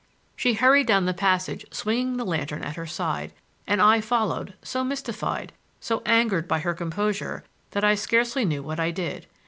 She hurried down the passage swinging the lantern at her side, and I followed, so mystified, so angered by her composure, that I scarcely knew what I did.